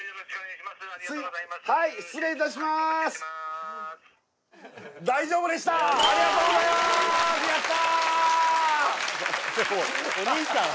ありがとうございます大丈夫でしたありがとうございますやった！